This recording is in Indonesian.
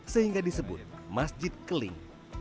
sehingga disebut masjid keling